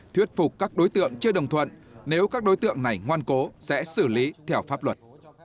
thuyết phục các đối tượng chưa đồng thuận nếu các đối tượng này ngoan cố sẽ xử lý theo pháp luật